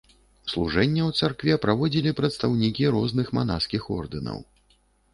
Служэнне ў царкве праводзілі прадстаўнікі розных манаскіх ордэнаў.